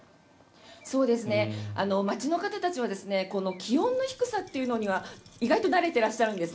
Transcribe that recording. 街の方たちはこの気温の低さというのは意外と慣れてらっしゃるんです。